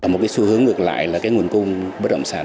một cái xu hướng ngược lại là cái nguồn cung bất động sản